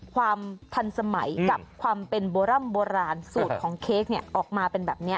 ความทันสมัยกับความเป็นโบร่ำโบราณสูตรของเค้กเนี่ยออกมาเป็นแบบนี้